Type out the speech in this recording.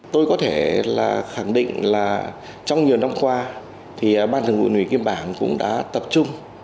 tôi có thể là khẳng định là trong nhiều năm qua thì ban thượng ủy nguyễn kim bản cũng đã tập trung